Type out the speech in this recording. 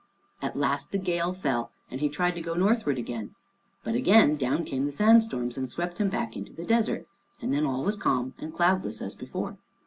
At last the gale fell, and he tried to go northward again, but again down came the sandstorms and swept him back into the desert; and then all was calm and cloudless as before.